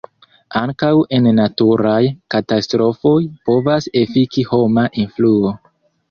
Ankaŭ en naturaj katastrofoj povas efiki homa influo.